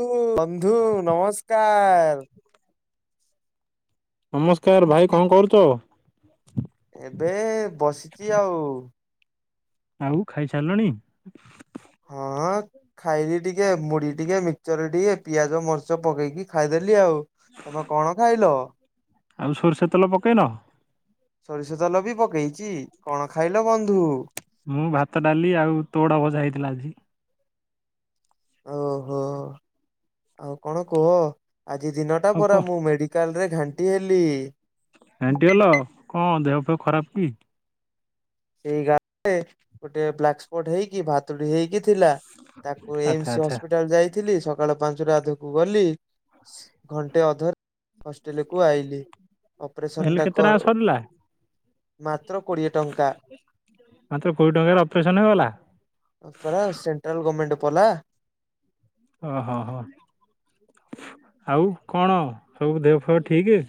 ଉ ବନ୍ଧୁ ନମସ୍କାର। ନମସ୍କାର ଭାଇ କଣ କରୁଛ? ଏବେ ବସିଛି ଆଉ। ଆଉ ଖାଇସାରିଲଣି। ହଁ ଖାଇଲି ଟିକେ ମୁଢି ଟିକେ ମିକ୍ସର ଟିକେ ପିଆଜ ମରିଚ ପକେଇକି ଖାଇଦେଲି ଆଉ। ତମେ କଣ ଖାଇଲ? ଆଉ ସୋରିଷ ତେଲ ପକେଇନ। ସୋରିଷ ତେଲ ବି ପକେଇଚି। କଣ ଖାଇଲ ବନ୍ଧୁ? ମୁଁ ଭାତ ଡାଲି ଆଉ ତୋଡ ଭଜା ହେଇଥିଲା ଆଜି। ଓହୋ ଆଉ କଣ କୁହ। ଆଜି ଦିନଟା ଆଉ ପରା କହ ମୁଁ ମେଡିକାଲ ରେ ଘାଣ୍ଟି ହେଲି। ଘାଣ୍ଟି ହେଲୋ କଣ ଦେହ ଫେହ ଖରାପ କି? ସେଇ ଗାଲରେ ଗୋଟେ ବ୍ଲାକ୍ ସ୍ପଟ ହେଇକି ଭାତୁଡି ହେଇକି ଥିଲା ତାକୁ ଏ ଆଚ୍ଛା ଏମ ସି ଆଚ୍ଛା ହସ୍ପିଟାଲ ଯାଇଥିଲି ସ ସକାଳ ପାଞ୍ଚଟା ଧକୁ ଗଲି ଘଣ୍ଟେ ଅଧରେ ହଷ୍ଟେଲ କୁ ଆଇଲି ଅପରେସନ ହେଲେ କେତେ ଟା ଟଙ୍କା ସରିଲା ମାତ୍ର କୋଡ଼ିଏ ଟଙ୍କା। ମାତ୍ର କୋଡିଏ ଟଙ୍କାରେ ଅପରେସନ ହେଇଗଲା। ରା ସେଣ୍ଟ୍ରାଲ ଗର୍ମେଣ୍ଟ। ପଲା। ଓ ହୋ ହଁ। ଆଉ କଣ ସବୁ ଦେହ ଫେହ ଠିକ।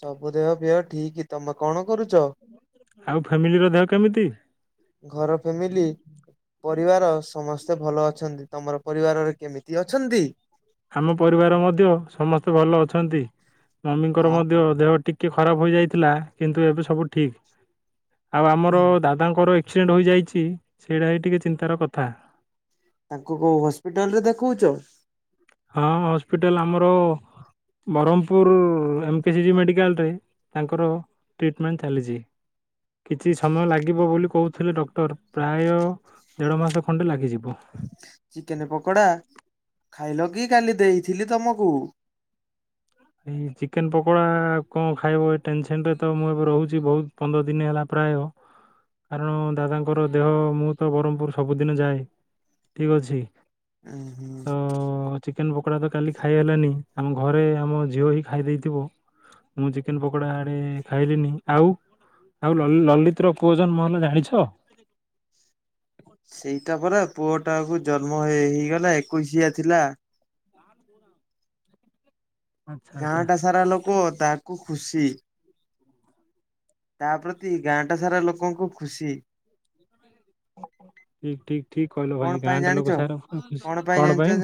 ସବୁ ଦେହ ପେହ ଠିକ ତମେ କଣ କରୁଛ? ଆଉ ଫ୍ୟାମିଲି ର ଦେହ କେମିତି? ଘର ଫ୍ୟାମିଲି ପରିବାର ସମସ୍ତ ସେ ଭଲ ଅଛନ୍ତି, ତମର ପରିବାରରେ କେମିତି ଅଛନ୍ତି? ଆମ ପରିବାର ମଧ୍ୟ ସମସ୍ତେ ଭଲ ଅଛନ୍ତି, ଆ ମମିଙ୍କର ମଧ୍ୟ ଦେହ ଠିକ ଟିକେ ଖରାପ ହୋଇଯାଇଥିଲା, କିନ୍ତୁ ଏବେ ସବୁ ଠିକ ଆଉ ଆମର ଦାଦାଙ୍କର ଆକ୍ସିଡେଣ୍ଟ ହୋଇଯାଇଛି ସେଇଟା ହିଁ ଟିକେ ଚିନ୍ତାର କଥା ତାଙ୍କୁ କୋଉ ହସ୍ପିଟାଲ ରେ ଦେଖଉଛ? ହଁ ହସ୍ପିଟାଲ ଆମର ବ୍ରହ୍ମପୁର ଏମକେସିଜି ମେଡ଼ିକାଲରେ ତାଙ୍କର ଟ୍ରିଟମେଣ୍ଟ ଚାଲିଛି। କିଛି ସମୟ ଲାଗିବ ବୋଲି କହୁଥିଲେ ଡକ୍ଟର ପ୍ରାୟ ଦେଢ ମାସ ଖଣ୍ଡେ ଲାଗିଯିବ ଚିକେନ ପକୋଡା ଖାଇଲ କି କାଲି ଦେଇଥିଲି ତମକୁ ଏଇ ଚିକେନ ପକୋଡା କଣ ଖାଇବ ଏ ଟେନସନ ରେ ତ ମୁଁ ଏବେ ରହୁଛି ବହୁତ ପନ୍ଦର ଦିନ ହେଲା ପରେ ପ୍ରାୟ କାରଣ ଦାଦାଙ୍କର ଦେହ ମୁଁ ତ ବ୍ରହ୍ମପୁର ସବୁଦିନ ଯାଏ ଠିକ ଅଛି। ହୁଁ ତ ହୁଁ। ଚିକେନ ପକୋଡା ତ କାଲି ଖାଇ ହେଲାନି ଆମ ଘରେ ଆମ ଝିଅ ହିଁ ଖାଇ ଦେଇଥିବ ମୁଁ ଚିକେନ ପକୋଡା ଆଡେ ଖାଇଲିନି ଆଉ। ଆଉ ଲଳିତ ର ପୁଅ ଜନ୍ମ ମହଲ ଜାଣିଛ? ପୁଅ ଟା କୁ ଜନ୍ମ ହେ ହେଇଗଲା ଏକୋଇଶିଆ ଥିଲା। ଆଚ୍ଛା ଗାଁ ଆଚ୍ଛା। ଟା ସାରା ଲୋକ ତାକୁ ଖୁସି ତା ପ୍ରତି ଗାଁଟା ସାରା ଲୋକଙ୍କୁ ଖୁସି ଠିକ ଠିକ ଠିକ କହିଲ କଣ ଭାଇ ପାଇଁ ଗାଁଟା ଜାଣିଛ ଲୋକ ସାର ଖୁସି କଣ ପାଇଁ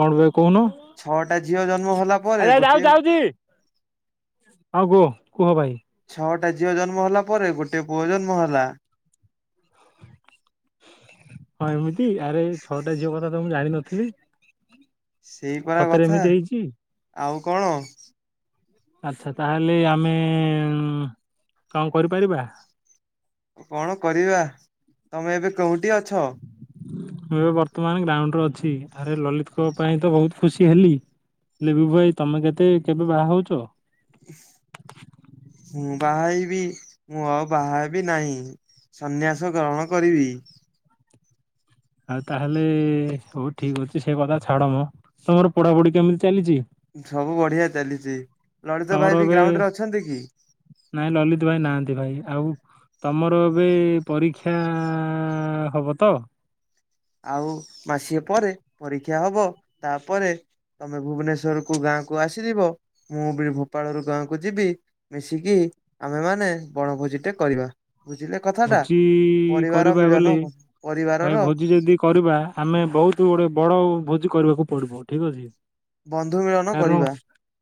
କଣ ଭାଇ କହୁନୁ? ଛଅଟା ଝିଅ ଜନ୍ମ ହେଲା ପରେ ଗୋଟିଏ ହଉ କୋ? ଛଅଟା ଝିଅ ଜନ୍ମ ହେଲା ପରେ ଗୋଟେ ପୁଅ ଜନ୍ମ ହେଲା। ହଁ ଏମିତି ଆରେ ଛଅଟା ଝିଅ କଥା ତ ମୁଁ ଜାଣିନଥିଲି। ସେଇପରା ସତରେ କଥା ଏମିତି ହେଇଛି। ଆଉ କଣ ଆଛା ତାହେଲେ ଆମେ କଣ କରିପାରିବା? କଣ କରିବା ତମେ ଏବେ କୋଉଠି ଅଛ? ମୁଁ ଏବେ ବର୍ତ୍ତମାନ ଗ୍ରାଉଣ୍ଡରେ ଅଛି ଆରେ ଲଲିତଙ୍କ ପାଇଁ ତ ବହୁତ ଖୁସି ହେଲି। ଲିବୁ ଭାଇ ତମେ କେତେ କେବେ ବାହା ହଉଛ? ହୁଁ। ବାହଇବି ମୁଁ ଆଉ ବାହାବି ନାହିଁ ସନ୍ନ୍ୟାସ ଗ୍ରହଣ କରିବି। ଆଉ ତାହେଲେ ହଉ ଠିକ ଅଛି ସେ କଥା ଛାଡମ ତମର ପଢାପଢି କେମିତି ଚାଲିଛି? ସବୁ ବଢିଆ ଚାଲିଛି ଲଳତା ତମର ଭାଇ ବି ଏବେ ଗ୍ରାଉଣ୍ଡ ରେ ଅଛନ୍ତି କି? ସେଥିପାଇ ନାହାନ୍ତି ଭାଇ ଆଉ। ତମର ଏବେ ପରୀକ୍ଷା ହବ ତ? ଆଉ ମାସେ ପରେ ପରୀକ୍ଷା ହବ ତାପରେ ତମେ ଭୁବନେଶ୍ଵର କୁ ଗାଁକୁ ଆସିଯିବ, ମୁଁ ବି ଭୋପାଳ ରୁ ଗାଁକୁ ଯିବି ମିଶିକି ଆମେ ମାନେ ବଣଭୋଜି ଟେ କରିବା ବୁଝିଲେ କଥାଟା ଭୋଜି ପରିବାର କରିବା ବୋଲେ ମିଳନ ଭାଇ ପରିବାରର ଭୋଜି ଯଦି କରିବା ଆମେ ବହୁତ ଗୋଟେ ବଡ ଭୋଜି କରିବାକୁ ପଡିବ ଠିକ ଅଛି। ବନ୍ଧୁ ମିଳନ କାରଣ କରିବା।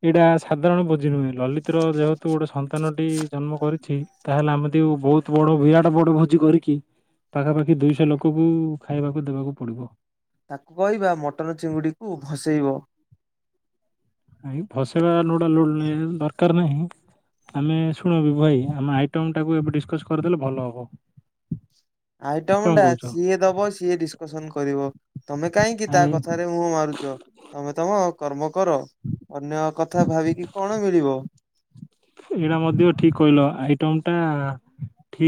ଏଇଟା ସାଧାରଣ ବୋଝି ନୁହେଁ ଲଲିତ ର ଯେହେତୁ ଗୋଟେ ସନ୍ତାନଟି ଜନ୍ମ କରିଛି। ତାହେଲେ ଆମେ ଦେ ବହୁତ ବଡ ବିରାଟ ବଡ ଭୋଜି କରିକି ପାଖାପାଖି ଦୁଇଶହ ଲୋକକୁ ଖାଇବାକୁ ଦବାକୁ ପଡିବ। ତାକୁ କହିବା ମଟନ ଚିଙ୍ଗୁଡିକୁୁ ଭସେଇବ ଆ ଭସେଇବା ଲୋଡ଼ା ଲୋଡ଼ ଦରକାର ନାହିଁ। ଆମେ ଶୁଣବୁ ଭାଇ ଆମ ଆଇଟମ ଟାକୁ ଏବେ ଡିସକସ କରିଦେଲେ ଭଲ ହବ। ଆଇଟମ କଣ ଟା କହୁଛ? ଯିଏ ଦବ ସିଏ ଡିସକସନ କରିବ। ତମେ କାହିଁକି ତା ନାଇଁ, କଥାରେ ହୁଁ ମାରୁ ତମେ ତମ କର୍ମ କର ଅନ୍ୟ କଥା ଭାବିକି କଣ ମିଳିବ। ଏଇଟା ମଧ୍ୟ ଠିକ କହିଲ। ଆଇଟମ ଟା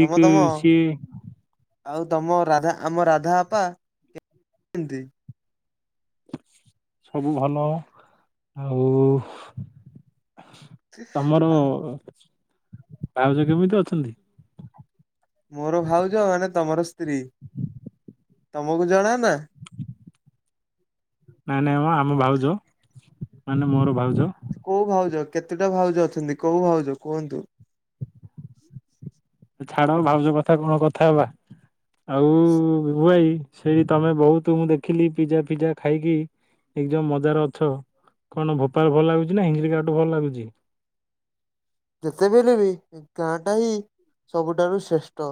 ତମ ତମ ସିଏ ଆଉ ତମ ରାଧା ଆମ ରାଧାଅପା କେମିତି? ସବୁ ଭଲ। ଆଉ ତମର ଅ ଭାଉଜ କେମିତି ଅଛନ୍ତି? ମୋର ଭାଉଜ ମାନେ ତମର ସ୍ତ୍ରୀ, ତମକୁ ଜଣା ନାଁ। ନାଁ ନାଁ ମ ଆମ ଭାଉଜ ମାନେ ମୋର ଭାଉଜ। କୋଉ ଭାଉଜ କେତୋଟା ଭାଉଜ ଅଛନ୍ତି କୋଉ ଭାଉଜ କୁହନ୍ତୁ? ଛାଡ ଭାଉଜ କଥା କଣ କଥା ହବା। ଆଉ ବିଭୁ ଭାଇ ସେଇ ତମେ ବହୁତ ମୁଁ ଦେଖିଲି ପିଜା ଫିଜା ଖାଇକି ଏକଦମ ମଜାରେ ଅଛ। କଣ ଭୋପାଳ ଭଲ ଲାଗୁଛି? ନା [unintelligible] ଭଲ ଲାଗୁଛି? ଯେତେବେଳେ ବି ଗାଁ ଟା ହିଁ ସବୁଠାରୁ ଶ୍ରେଷ୍ଠ।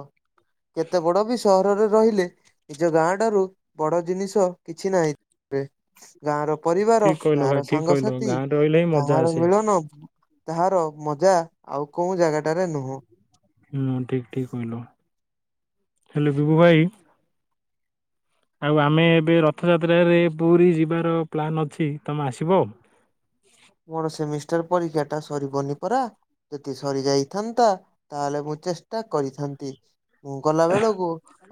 କେତେ ବଡ ବି ସ ହରରେ ରହିଲେ ନିଜ ଗାଁ ଠାରୁ ବଡ ଜିନିଷ କିଛି ନାହିଁ। ଗାଁ ର ପରିବାର ଠିକ କହିଲ ଗାଁ ଭାଇ ର ଠିକ କହିଲ ସାଙ୍ଗସାଥି ଗାଁରେ ରହିଲେ ହିଁ ମଜା ଗାଁର ଆସେ ମିଳନ। ତାହାର ମଜା ଆଉ କୋଉ ଜାଗାଟାରେ ନୁହଁ। ହୁଁ ଠିକ ଠିକ କହିଲ ହେଲେ ବିଭୁ ଭାଇ ଆଉ ଆମେ ଏବେ ରଥଯାତ୍ରାରେ ପୁରୀ ଯିବାର ପ୍ଲାନ୍ ଅଛି। ତମେ ଆସିବ? ପରୀକ୍ଷା ଟା ସରିବନି ପରା ଯଦି ସରି ଯାଇଥାନ୍ତା ତାହେଲେ ମୁଁ ଚେଷ୍ କରିଥାନ୍ତି। ମୁଁ ଗଲା ବେଳକୁ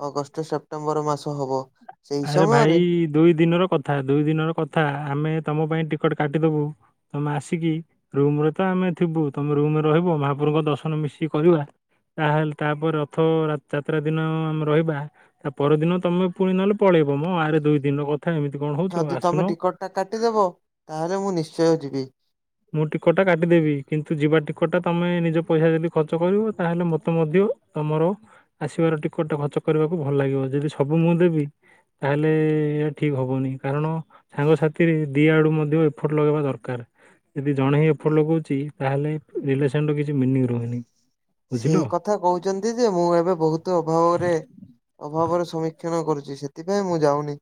ଅଗଷ୍ଟ ସେପ୍ଟେମ୍ବର ମାସ ହବ। ସେଇ ଆରେ ସମୟରେ ଭାଇ ଦୁଇ ଦିନର କଥା ଦୁଇ ଦିନ ର କଥା ଆମେ ତମ ପାଇଁ ଟି ଟିକଟ କାଟିଦବୁ। ତମେ ଆସିକି ରୁମ ରେ ତ ଆମେ ଥିବୁ। ତମେ ରୁମ ରେ ରହିବ, ମହାପ୍ରଭୁଙ୍କ ଦର୍ଶନ ମିଶିକି କରବା। ତାହେଲେ ତାପରେ ରଥ ଯାତ୍ରା ଦିନ ଆମେ ରହିବା। ତା ପରଦିନ ତମେ ପୁଣି ନହଲେ ପଳେଇବ ମ ଆଡେ ଦୁଇ ଦିନ କ ଯଦି ତମେ ଟିକଟ ଟା କାଟିଦବ ତାହେଲେ ମୁଁ ନିଶ୍ଚୟ ଯିବି। ମୁଁ ଟିକଟ ଟା କାଟିଦେବି କିନ୍ତୁ ଯିବା ଟିକଟ ଟା ତମେ ନିଜ ପଇସା ଯଦି ଖର୍ଚ୍ଚ କରିବ ତାହେଲେ ମତେ ମଧ୍ୟ ତମର ଆସିବାର ଟିକଟ ଖର୍ଚ୍ଚ କରିବାକୁ ଭଲ ଲାଗିବ। ଯଦି ସବୁ ମୁଁ ଦେବି ତାହେଲେ ଏହା ଠିକ ହବନି। କାରଣ ସାଙ୍ଗସାଥି ଦି ଆଡୁ ମଧ୍ୟ ଏଫର୍ଟ ଲଗେଇବା ଦରକାର। ଯଦି ଜଣେ ହିଁ ଏଫର୍ଟ ଲଗଉଛି ତାହେଲେ ରିଲେସନ ର କିଛି ମିନିଂ ରୁହେନି। ସେଇ କଥା କହୁଛନ୍ତି ଯେ ମୁଁ ଏବେ ବହୁତ ଅଭାବରେ ଅଭାବର ସମୀକ୍ଷନ କରୁଛି। ସେଥିପାଇଁ ମୁଁ ଯାଉନି।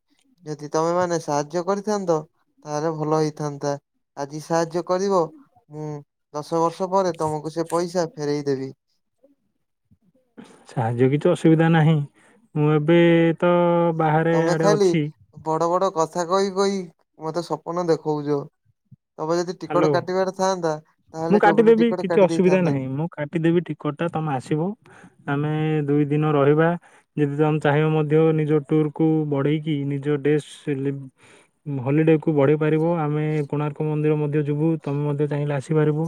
ଯଦି ତମେ ମାନେ ସାହାଯ୍ୟ କରିଥାନ୍ତ ତାହେଲେ ଭଲ ହେଇଥାନ୍ତା। ଆଜି ସାହାଯ୍ୟ କରିବ ମୁଁ ଦଶ ବର୍ଷ ପରେ ତମକୁ ସେ ପଇସା ଫେରେଇ ଦେବି। ସାହାଯ୍ୟ କିଛି ଅସୁବିଧା ନାହିଁ। ମୁଁ ଏବେ ତ ବାହାରେ ତମେ ଆଡ଼େ ଖାଲି ଅଛି ବଡ ବଡ କଥା କହି କହି ମତେ ସପ୍ନ ଦେଖଉଛ। ତମେ ଯଦି ଟିକଟ ହ୍ୟାଲୋ। କାଟିବାର ଥାଆନ୍ତା ମୁଁ ତାହେଲେ କେବେଠୁ କାଟିଦେବି ଟିକଟ କିଛି କାଟି ଅସୁବିଧା ଦେଇଥାନ୍ତ। ନାହିଁ ମୁଁ କାଟିଦେବି ଟିକଟ ତମେ ଆସିବ, ଆମେ ଦୁଇ ଦିନ ରହିବା। ଯଦି ତ ଆମେ ଚାହିଁବ ମଧ୍ୟ ନିଜ ଟୁର୍ କୁ ବଢେଇକି ନିଜ ଡେସ୍ ହଲିଡେ କୁ ବଢେଇ ପାରିବ। ଆମେ କୋଣାର୍କ ମନ୍ଦିର ମ ମଧ୍ୟ ଯିବୁ, ତମେ ମଧ୍ୟ ଚାହିଁଲେ ଆସିପାରିବ।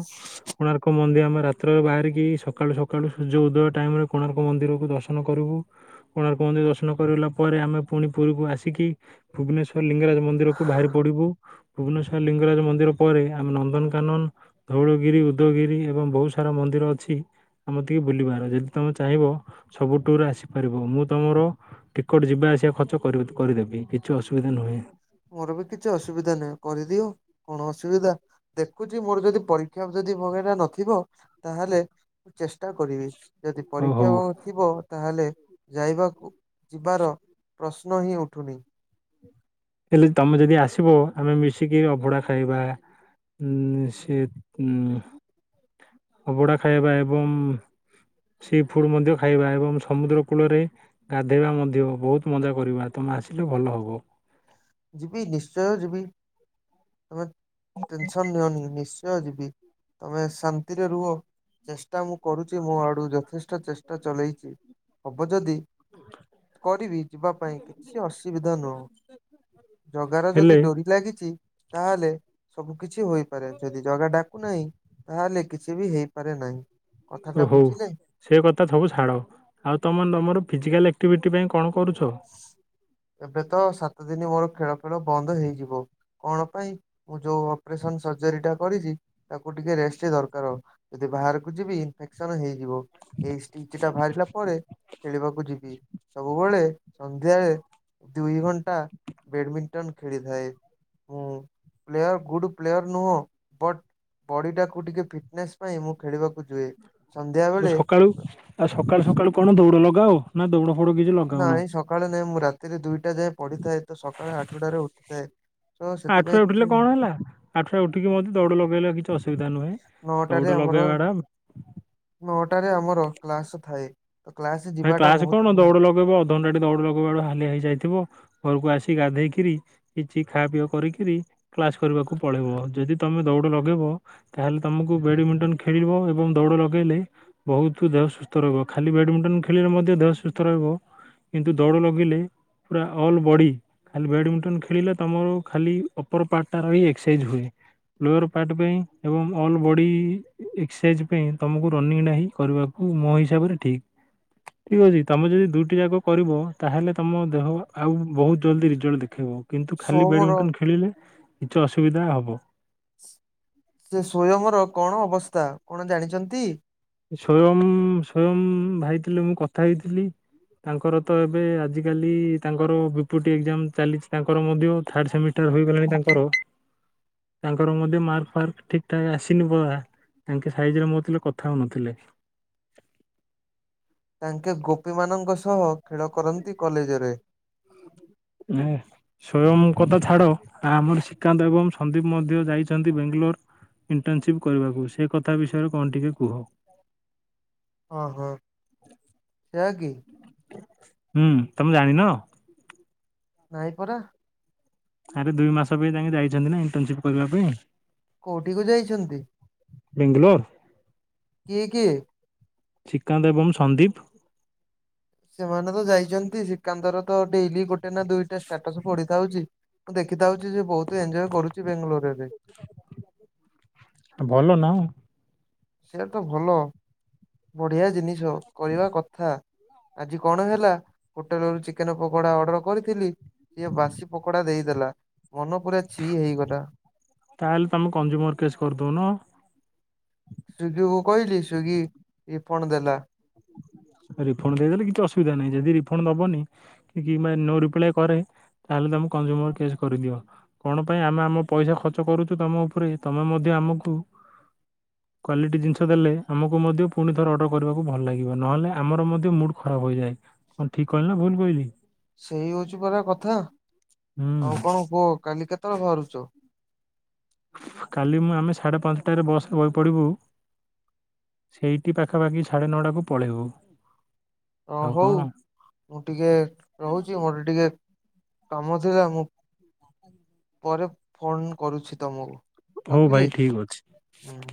କୋଣାର୍କ ମନ୍ଦିର ଆମେ ରାତ୍ରରେ ବାହାରିକି ସକାଳୁ ସକାଳୁ ସୂର୍ଯ୍ୟ ଉଦୟ ଟାଇମ ରେ କୋଣାର୍କ ମନ୍ଦିରକୁ ଦର୍ଶନ କରୁ। ବୁ କୋଣାର୍କ ମନ୍ଦିର ଦର୍ଶନ କରିଲା ପରେ ଆମେ ପୁଣି ପୁରୀକୁ ଆସିକି ଭୁବନେଶ୍ୱର ଲିଙ୍ଗରାଜ ମନ୍ଦିର କୁ ବାହାରି ପଡିବୁ। ଭୁବନେଶ୍ୱର ଲିଙ୍ଗରାଜ ମନ୍ଦିର ପରେ ଆମେ ନନ୍ଦନକାନନ, ଧଉଳଗିରି, ଉଦୟଗିର ଏବଂ ବହୁତ ସାରା ମନ୍ଦିର ଅଛି। ଆମ ତି ବୁଲିବାର ଯଦି ତୋମେ ଚାହିଁବ ସବୁ ଟୁର୍ ଆସିପାରିବ। ମୁଁ ତୋମର ଟିକେଟ୍ ଯିବା ଆସିବା ଖର୍ଚ୍ଚ କରୁଥ କରିଦେବି କିଛି ଅସୁବିଧା ନୁହେଁ । ମୋର ବି କିଛି ଅସୁବିଧା ନାହିଁ କରିଦିଅ କଣ ଅସୁବିଧା, ଦେଖୁଚି ମୋର ଯଦି ପରୀକ୍ଷା ଯଦି ବଗେଇା ନଥିବ ତାହେଲେ ଚେଷ୍ଟା କରିବି। ଯଦି ଓ ହଉ ପରୀକ୍ଷା ଥିବ ତାହେଲେ ଯାଇବାକୁ ଯିବାର ପ୍ରଶ୍ନ ହିଁ ଉଠୁନି । ହେଲେ ତୋମେ ଯଦି ଆସିବ ଆମେ ମିଶିକି ଅଭଡା ଖାଇବା। ଉଁ, ସେ ଉଁ, ଅବଡା ଖାଇବା ଏବଂ ସି ଫୁଡ୍ ମଧ୍ୟ ଖାଇବା। ଏବଂ ସମୁଦ୍ର କୂଳରେ ଗାଧେଇବା ମଧ୍ୟ ବହୁତ ମଜା କରିବା। ତୋମ ଆସିଲେ ଭଲ ହବ। ତୋମେ ଟେନସନ୍ ନିଅନି ନିଶ୍ଚୟ ଯିବି। ତୋମେ ଶାନ୍ତିରେ ରୁହ। ଚେଷ୍ଟା ମୁଁ କରୁଚି ମୋ ଆଡୁ। ଯଥେଷ୍ଟ ଚେଷ୍ଟା ଚଲେଇଚି। ହବ ଯଦି କରିବି ଯିବା ପାଇଁ କିଛି ଅସୁବିଧା ନୁହଁ। ଜଗା ର ଯଦି ହେଲେ ଡୋରି ଲାଗିଚି ତାହେଲେ ସବୁ କିଛି ହୋଇପାରେ। ଯଦି ଜଗା ଡା କୁ ନାହିଁ। ତାହେଲେ କିଛି ବି ହେଇପାରେ ନାହିଁ। ଓ କଥାଟା ହଉ ବୁଝିଲେ? ସେ କଥା ସବୁ ଛାଡ଼। ଆଉ ତୋମ ତମର ଫିଜିକାଲ ଏକ୍ଟିଭିଟି ପାଇଁ କଣ କରୁଛ? ଏବେ ତ ସାତ ଦିନ ମୋର ଖେଳ ଖେଳ ବନ୍ଦ ହେଇଯିବ। କଣ ପାଇଁ ମୁଁ ଯୋଉ ଅପରେସନ୍ ସର୍ଜରୀ ଟା କରିଚି ତାକୁ ଟିକେ ରେ ବେଶୀ ଦରକାର। ଯଦି ବାହାରକୁ ଯିବି ଇନଫେକ୍ସନ୍ ହେଇଯିବ । ଏଇ ସ୍ଟିଚ୍ ଟା ବାହାରିଲା ପରେ ଖେଳିବାକୁ ଯିବି ସବୁବଳେ। ସନ୍ଧ୍ୟାରେ ଦୁଇ ଘଣ୍ଟା ବେଡମିଣ୍ଟନ ଖେଳିଥାଏ । ମୁଁ ପ୍ଲେୟର୍ ଗୁଡ଼୍ ପ୍ଲେୟର ନୁହଁ। ବଟ୍ ବଡିଟାକୁ ଟିକେ ଫିଟନେସ୍ ପାଇଁ ମୁଁ ଖେଳିବାକୁ ଯୁଏ । ଆଉ ସକାଳୁ ଆଉ ସକାଳୁ ସକାଳୁ କଣ ଦୌଡ ଲଗାଅ? ନା ଦୌଡ ଫୋଡ କିଛି ଲଗାଉନ? ନାଇଁ ସକାଳେ ନାଇଁ ମୁଁ ରାତିରେ ଦୁଇଟା ଯାଏ ପଢିଥାଏ ତ ସକାଳେ ଆଠଟାରେ ଉଠିଥାଏ । ଆଠ ରେ ଉଠିଲେ କଣ ହେଲା ଆଠରେ ଉଠିକି ମଧ୍ଯ ଦୌଡ ଲଗେଇଲେ କିଛି ଅସ ସୁବିଧା ନୁହେଁ ନଅଟାରେ ଦୌଡ ଆମର ଲଗେଇବା ଟା ନଅଟାରେ ଆମର କ୍ଲାସ ଥାଏ। ତ କ୍ଲାସ ଭାଇ ଯିବାଟା କ୍ଲାସ୍ କଣ ମହତ୍ୱପୂର୍ଣ୍ଣ। ଦୌଡ ଲଗେଇବ ଅଧଘଣ୍ଟା ଟି ଦୌଡ଼ ଲଗୁଇବା ବେକୁ ହାଲିଆ ହେଇଯାଇଥିବ। ଘରକୁ ଆସି ଗାଧେଇକିରି କିଛି ଖା ପିଇ କରିକିରି କ୍ଲାସ୍ କରିବାକୁ ପଳେଇବ। ଯଦି ତୋମେ ଦୌ ଡ ଲଗେଇବ ତାହେଲେ ତୋମକୁ ବେଡମିଣ୍ଟନ ଖେଳିବ, ଏବଂ ଦୌଡ଼ ଲଗେଇଲେ ବହୁତ ଦେହ ସୁସ୍ଥ ରହିବ ଖାଲି ବେଡମିଣ୍ଟନ ଖେଳିଲେ ମଧ୍ୟ ଦେହ ସୁସ୍ଥ ରହିବ। କିନ୍ତୁ ଦୌଡ଼ ଲଗେଇଲେ ପୁରା ଅଲ୍ ବଡି ଖାଲି ବେଡମିଣ୍ଟନ ଖେଳିଲେ ତୋମର ଖାଲି ଅପର ପାର୍ଟ ଟାର ହି ଏକ୍ସସାଇଜ୍ ହୁଏ । ଲୋର୍ ପାର୍ଟ ପାଇଁ ଏବଂ ଅଲ୍ ବଡି ଏକ୍ସସାଇଜ ପାଇଁ ତୋମକୁ ରନିଂ ଟା ହିଁ କରିବା ତୁ ମୋ ହିସାବରେ ଠିକ। ଠିକ ଅଛି ତୋମେ ଯଦି ଦୁଇଟି ଯାକ କରିବ ତାହେଲେ ତୋମ ଦେହ ଆଉ ବହୁତ ଜଲଦି ରିଜଲ୍ଟ ଦେଖେଇବ। କିନ୍ତୁ ଖାଲି ସୋମର ବେଡମିଣ୍ଟନ ଖେଳିଲେ କିଛି ଅସୁବିଧା ହବ । ସେ ସ୍ଵୟମର କଣ ଅବସ୍ଥା କଣ ଜାଣିଚନ୍ତି? ସ୍ଵୟମ ସ୍ଵୟମ ଭାଇ ଥିଲେ ମୁଁ କଥା ହେଇଥିଲି। ତାଙ୍କର ତ ଏବେ ଆଜିକାଲି ତାଙ୍କର ବିପୁଟି ଏକ୍ଜାମ ଚାଲିଛି ତାଙ୍କର ମଧ୍ୟ ଥାର୍ଡ ସେମିଷ୍ଟାର। ହୋଇଗଲାଣି ତାଙ୍କର। ତାଙ୍କର ମଧ୍ୟ ମାର୍କ ଫାର୍କ ଠିକ ଠାକ୍ ଆସିନି ବୋଆ ତାଙ୍କେ ସାାଇଜ ରେ ମୋ ଥିଲୁ କ ଥାଉ ନଥିଲେ। ହଁ, ହଁ ଖେଳ କରନ୍ତି କଲେଜ୍ ରେ । ହ [unintelligible] ଏ ସ୍ଵୟମ କଥା ଛାଡ। ଆମର ଶ୍ରୀକାନ୍ତ ଏବଂ ସନ୍ଦୀପ ମଧ୍ୟ ଯାଇଚନ୍ତି ବେଙ୍ଗାଲୋର । ଇଣ୍ଟର୍ନସିପ୍ କରିବାକୁ ସେ କଥା ବିଷୟରେ କଣ ଟିକେ କୁହ? ଓହୋ! ହଁ ସେୟା କି? ହୁଁ, ତୋମେ ଜାଣିନ? ନାଇଁ ପରା। ଆରେ ଦୁଇ ମାସ ପାଇଁ ତାଙ୍କେ ଯାଇଛନ୍ତି ନା ଇଣ୍ଟର୍ନସିପ୍ କରିବା ପାଇଁ । କୋଉଠି କୁ ଯାଇଚନ୍ତି? ବେଙ୍ଗଲୋର। କିଏ କିଏ? ଶ୍ରୀକାନ୍ତ ଏବଂ ସନ୍ଦୀପ। ସେମାନେ ତ ଯାଇଚନ୍ତି ଶିକାନ୍ତର ତ ଡେଲି ଗୋଟେ ନା ଦୁଇଟା ଷ୍ଟାଟସ ପଡିଥାଉଚି। ମୁଁ ଦେଖିତେ ଆଉଚି ଯେ ବୋହୁତ ଏଞ୍ଜୟ କରୁଚି ବେଙ୍ଗଲୋରରେ। ଭଲ ନାହୁଁ। ସେଇଟା ତ ଭଲ ବଢିଆ ଜିନିଷ କରିବା କଥା। ଆଜି କଣ ହେଲା ହୋଟେଲ ରୁ ଚିକେନ ପକୋଡା ଅର୍ଡର କରିଥିଲି। ସିଏ ବାସି ପକୋଡା ଦେଇଦେଲା। ମନ ପୁରା ଛି ହେଇଗଲା। ତାହେଲେ ତମେ କଞ୍ଜୁମର କେସ୍ କରିଦଉନ ସୁଗୀ କୁ କହିଲି ସୁଗୀ ରିଫଣ୍ଡ ଦେଲା। ରିଫଣ୍ଡ ଦେଇଦେଲେ କିଛି ଅସୁବିଧା ନାହିଁ ଯଦି ରିଫଣ୍ଡ ଦବନି କି କିମ୍ବା ନୋ ରିପ୍ଲାଏ କରେ। ତାହେଲେ ତମେ କଂଜୁମର କେସ୍ କରିଦିଅ କଣ ପାଇଁ ଆମେ ଆମ ପଇସା ଖର୍ଚ କରୁଚୁ ତମ ଉପରେ ତମେ ମଧ୍ୟ ଆମକୁ କ୍ୱାଲିଟୀ ଜିନିଷ ଦେଲେ ଆମକୁ ମଧ୍ୟ ପୁଣି ଥର ଅର୍ଡର କରିବାକୁ ଭଲ ଲାଗି ନହେଲେ ଆମର ମଧ୍ୟ ମୁଡ୍ ଖରାପ ହେଇଯାଏ କଣ ଠିକ କହିଲି ନା ଭୁଲ କହିଲି? ସେଇ ହୋଉଚି ପରା କଥା ଆଉ ହୁଁ କଣ କୁହ କାଲି କେତେବେଳେ ବାହାରୁଚ? କାଲି ମୁଁ ଆମେ ସାଢ଼େ ପାଞ୍ଚଟାରେ ବସେ୍ରେ ବହେ ପଡିବୁ। ସେଇଟି ପାଖାପାଖି ସାଢ଼େ ନଅଟାକୁ ପଳେଇବୁ। ଅ ଆଉ ହୋଉ କଣ ମୁଁ ଟିକେ ରହୁଊଛି ମୋର ଟିକେ କାମ ଥିଲା ମୁଁ ପରେ ଫୋନ କରୁଚି ତମକୁ। ହୋଉ ଭାଇ ରଖିଲି ଠିକ ଅଛି। ହୁଁ